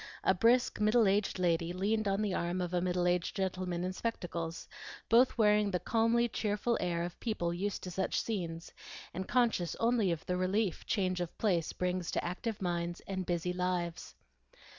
A brisk middle aged lady leaned on the arm of a middle aged gentleman in spectacles, both wearing the calmly cheerful air of people used to such scenes, and conscious only of the relief change of place brings to active minds and busy lives.